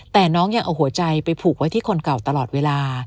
แต่น้องยังเอาหัวใจไปผูกไว้ที่คนเก่าตลอดเวลา